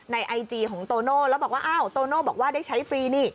ไอจีของโตโน่แล้วบอกว่าอ้าวโตโน่บอกว่าได้ใช้ฟรีนี่